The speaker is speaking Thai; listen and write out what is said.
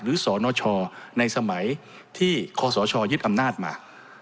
หรือสนชในสมัยที่ขสชยึดอำนาจมา